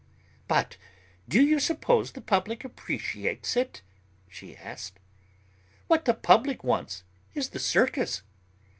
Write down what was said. "But do you suppose the public appreciates it?" she asked. "What the public wants is the circus.